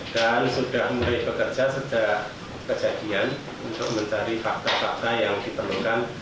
dan sudah mulai bekerja sejak kejadian untuk mencari fakta fakta yang diterlukan